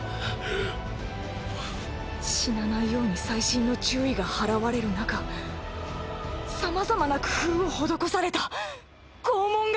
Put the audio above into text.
死なないように細心の注意が払われるなかさまざまな工夫を施された拷問が。